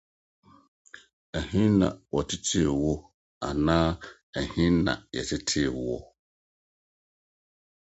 Ɛhe na wɔtetee wo?